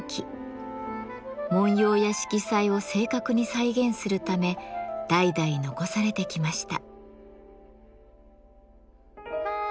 紋様や色彩を正確に再現するため代々残されてきました。